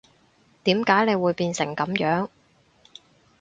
點解你會變成噉樣